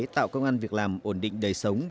tạo công an việc làm ổn định đời sống